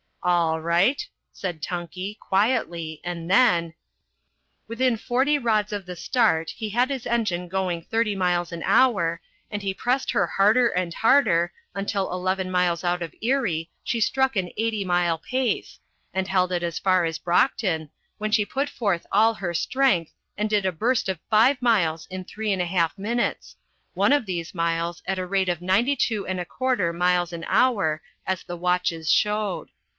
"All right," said Tunkey, quietly, and then Within forty rods of the start he had his engine going 30 miles an hour, and he pressed her harder and harder until 11 miles out of Erie she struck an 80 mile pace, and held it as far as Brockton, when she put forth all her strength and did a burst of 5 miles in 3½ minutes, one of these miles at the rate of 92¼ miles an hour, as the watches showed.